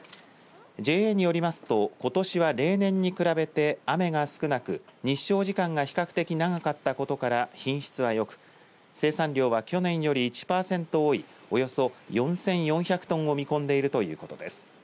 ＪＡによりますとことしは例年に比べて雨が少なく日照時間が比較的長かったことから品質はよく、生産量は去年より１パーセント多いおよそ４４００トンを見込んでいるということです。